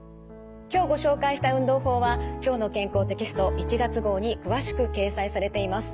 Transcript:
今日ご紹介した運動法は「きょうの健康」テキスト１月号に詳しく掲載されています。